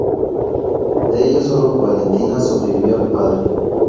De ellos, sólo Valentina sobrevivió al padre.